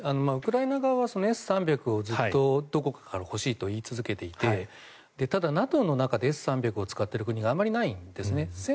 ウクライナ側はＳ３００をずっとどこかから欲しいと言い続けていてただ、ＮＡＴＯの中でＳ３００を使っている国があまりないんですね。